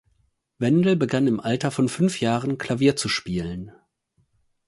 Wendel begann im Alter von fünf Jahren Klavier zu spielen.